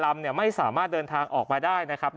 ไม่สามารถเดินทางออกมาได้นะครับ